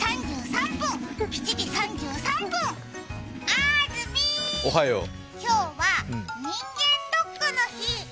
あーずみ、今日は人間ドッグの日。